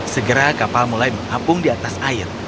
segera kapal mulai mengapung di atas air